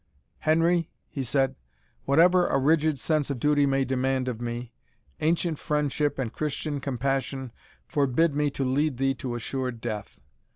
"Henry," he said, "whatever a rigid sense of duty may demand of me, ancient friendship and Christian compassion forbid me to lead thee to assured death.